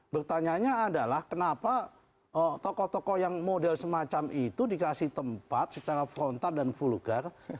pertanyaannya adalah kenapa tokoh tokoh yang model semacam itu dikasih tempat secara frontal dan vulgar